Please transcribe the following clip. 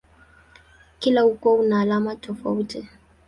Kila ukoo una alama tofauti.